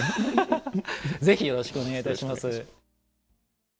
ぜひよろしくお願いいたします。